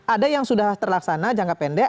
ada yang sudah terlaksana jangka pendek